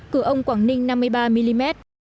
cửa ông quảng ninh năm mươi ba mm